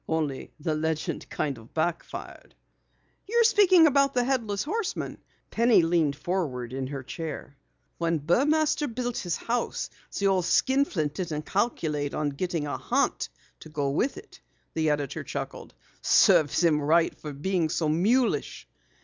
Only the legend kinda backfired." "You're speaking about the Headless Horseman?" Penny leaned forward in her chair. "When Burmaster built his house, the old skinflint didn't calculate on getting a haunt to go with it," the editor chuckled. "Served him right for being so muleish."